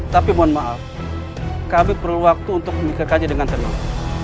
tapi mohon maaf kami perlu waktu untuk memikirkannya dengan tenang